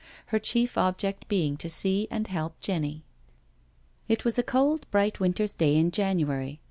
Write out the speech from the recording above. Her chief object being to see and help Jenny. It was a cold, bright winter's day in January.